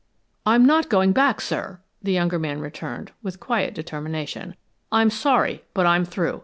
"I'm not going back, sir," the younger man returned, with quiet determination. "I'm sorry, but I'm through.